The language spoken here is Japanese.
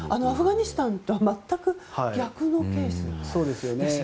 アフガニスタンとは全く逆のケースですよね。